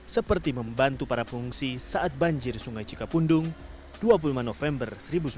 seperti membantu para pengungsi saat banjir sungai cikapundung dua puluh lima november seribu sembilan ratus empat puluh